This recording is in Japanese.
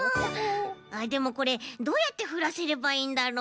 あっでもこれどうやってふらせればいいんだろう？